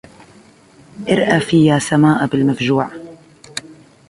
أرأفي يا سماء بالمفجوع